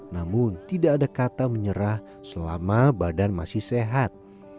namun tidak ada kata menyerah selama badan masih sehat